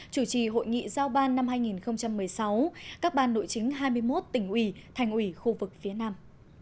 chủ trì hội nghị giao ban năm hai nghìn một mươi sáu các ban nội chính hai mươi một tỉnh ủy thành ủy khu vực phía nam